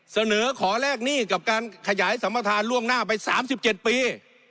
เสนอขอแลกหนี้กับการขยายสัมประธานล่วงหน้าไป๓๗ปี